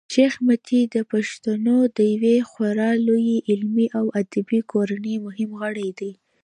شېخ متي د پښتنو د یوې خورا لويي علمي او ادبي کورنۍمهم غړی دﺉ.